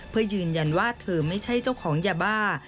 เพื่อยืนยันว่าเธอไม่ใช่เจ้าของยาบ้า